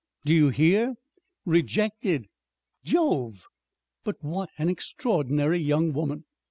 Do you hear? Rejected! Jove! But what an extraordinary young woman!"